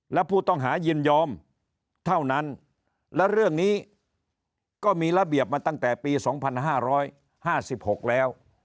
และผู้ต้องหายินยอมเท่านั้นและเรื่องนี้ก็มีระเบียบมาตั้งแต่ปี๒๕๕๖แล้ว